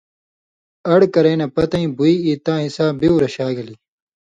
اڑ کرَیں نہ پتَیں بُوئ ای تاں حِصاں بِیُو رشاگِلیۡ